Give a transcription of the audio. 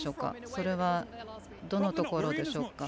それはどこでしょうか？